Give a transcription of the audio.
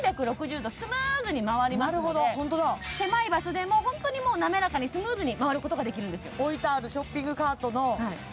なるほどホントだ狭い場所でもホントにもう滑らかにスムーズに回ることができるんですよですね！